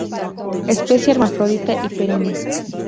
Especie hermafrodita y perenne.